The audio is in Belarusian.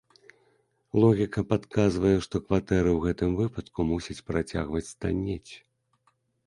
Логіка падказвае, што кватэры ў гэтым выпадку мусяць працягваць таннець.